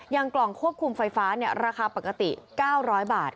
ยังกล่องควบคุมไฟฟ้าเนี่ยราคาปกติเก้าร้อยบาท